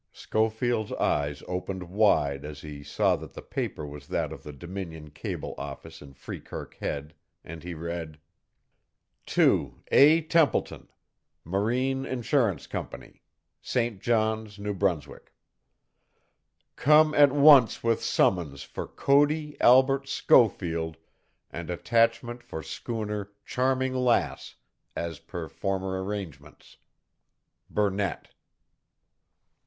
Schofield's eyes opened wide as he saw that the paper was that of the Dominion Cable office in Freekirk Head, and he read: "To A. TEMPLETON, "Marine Insurance Company, "St. John's, N.B. "Come at once with summons for Cody Albert Schofield and attachment for schooner Charming Lass, as per former arrangements. "BURNETT."